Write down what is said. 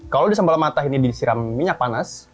kalau di sambal mata ini disiram minyak panas